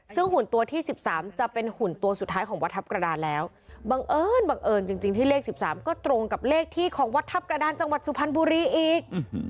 ซึ่งหุ่นตัวที่๑๓จะเป็นหุ่นตัวสุดท้ายของวัดทัพกระดานแล้วบังเอิญบังเอิญจริงที่เลข๑๓ก็ตรงกับเลขที่ของวัดทัพกระดานจังหวัดสุพรรณบุรีอีก